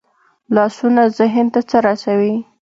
لاسونه ذهن ته څه رسوي